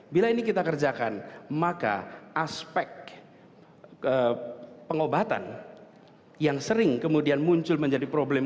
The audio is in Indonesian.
bila ini kita kerjakan maka aspek pengobatan yang sering kemudian muncul menjadi problem